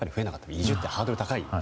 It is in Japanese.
移住ってハードルが高い。